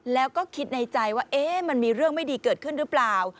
แล้วก็คิดในใจว่ามันมีเรื่องไม่ดีเกิดขึ้นหรือเปล่า